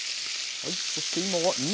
はい。